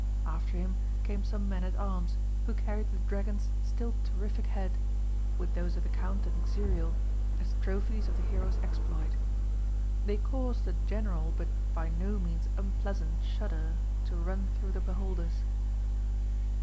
After him came some men at arms, who carried the dragon's still terrific head, with those of the Count and Xuriel, as trophies of the hero's exploit. They caused a general but by no means unpleasant shudder to run through the beholders.